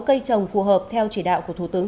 cây trồng phù hợp theo chỉ đạo của thủ tướng